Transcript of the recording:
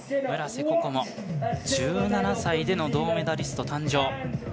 村瀬心椛１７歳での銅メダリスト誕生。